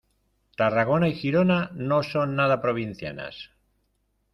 Tarragona y Girona no son nada provincianas.